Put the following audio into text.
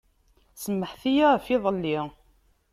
Samḥet-iyi ɣef yiḍelli.